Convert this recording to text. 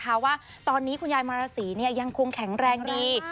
เพราะว่าตอนนี้คุณยายมาราศียังคงแข็งแรงดี